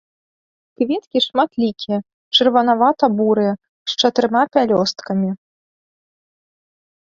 Кветкі шматлікія, чырванавата-бурыя з чатырма пялёсткамі.